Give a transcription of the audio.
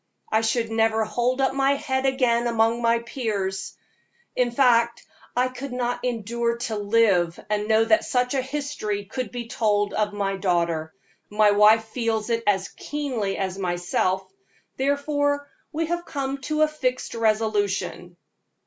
I should never hold up my head again among my peers; in fact, I could not endure to live and to know that such a history could be told of my daughter. My wife feels it as keenly as myself, therefore we have come to a fixed resolution."